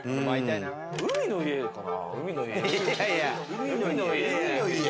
海の家かな。